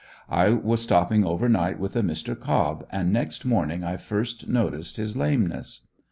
I was stopping over night with a Mr. Cobb, and next morning I first noticed his lameness.